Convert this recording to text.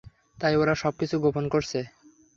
তাই ওরা সবকিছু গোপন করছে।